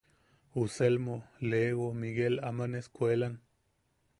Uʼu Selmo, Lego, Miguel aman escuelan.